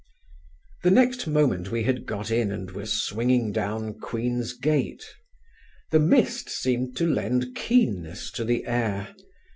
The next moment we had got in and were swinging down Queen's Gate. The mist seemed to lend keenness to the air.